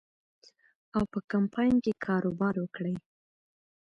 او په کمپاین کې کاروبار وکړي.